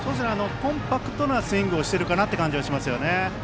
コンパクトなスイングをしてるかなという感じですね。